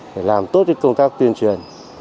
để làm tốt cái công tác tuyên truyền